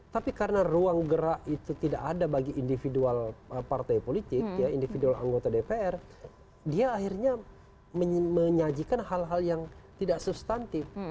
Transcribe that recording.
tapi karena ruang gerak itu tidak ada bagi individual partai politik individual anggota dpr dia akhirnya menyajikan hal hal yang tidak substantif